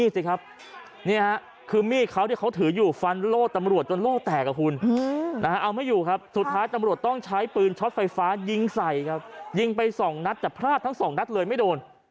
สุดท้ายตำรวจต้องใช้ปืนช็อตไฟฟ้ายิงใส่ครับยิงไป๒นัทแต่พลาดทั้ง๒นัทเลยไม่โดน